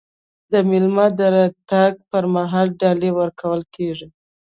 د میلمه د تګ پر مهال ډالۍ ورکول کیږي.